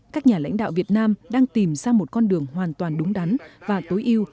các nhà lãnh đạo việt nam đang tìm ra một con đường hoàn toàn đúng đắn và tối yêu